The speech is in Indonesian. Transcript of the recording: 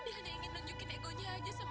sekarang kamu harus siap siap